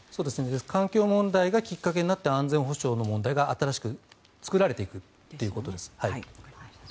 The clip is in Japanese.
環境問題がきっかけになって安全保障の問題が新しく作られていくということです。